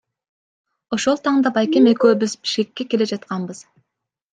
Ошол таңда байкем экөөбүз Бишкекке келе жатканбыз.